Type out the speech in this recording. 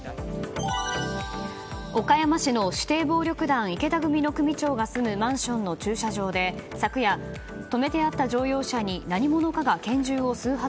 岡山市の指定暴力団池田組の組長が住むマンションの駐車場で昨夜、止めたあった乗用車に何者かが拳銃を数発